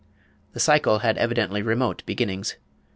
The cycle had evidently remote beginnings.